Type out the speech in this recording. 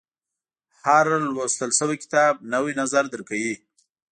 • هر لوستل شوی کتاب، نوی نظر درکوي.